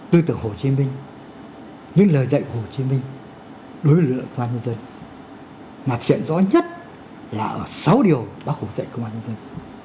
tư tưởng hồ chí minh những lời dạy của hồ chí minh đối với lực lượng công an nhân dân mặt trận rõ nhất là ở sáu điều bác hủ dạy công an nhân dân